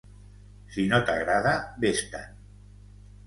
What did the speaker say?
Si no t'agrada, vés-te'n!